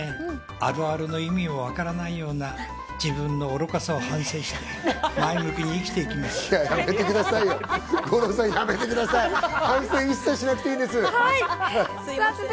あるあるの意味もわからないような自分の愚かさを反省して前向きに生きていきます。